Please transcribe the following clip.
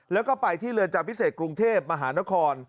แล้วก็ไปที่เรือนจำพิเศษกรุงเทพมหานคร